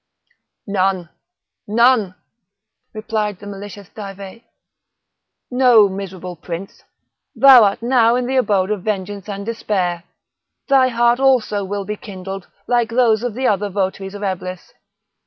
"None! none!" replied the malicious Dive. "Know, miserable prince! thou art now in the abode of vengeance and despair; thy heart also will be kindled, like those of the other votaries of Eblis.